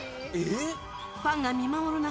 ファンが見守る中